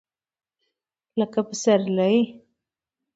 لکه سپرلی !